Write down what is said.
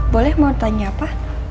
boleh mau tanya apa